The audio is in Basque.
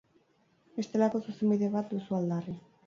Bestelako Zuzenbide bat duzu aldarri.